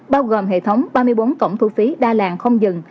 bao gồm hệ thống ba mươi bốn cổng thu phí đa làng không dừng